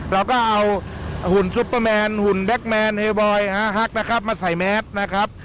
เราก็เอาหุ่นซุปเปอร์แมนหุ่นแก๊กแมนเฮบอยฮาฮักนะครับมาใส่แมสนะครับ